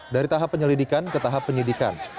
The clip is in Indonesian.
dari tahap penyelidikan ke tahap penyidikan